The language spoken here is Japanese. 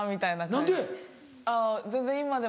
何で？